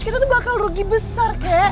kita tuh bakal rugi besar kayak